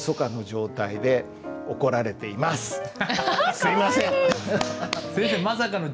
すいません！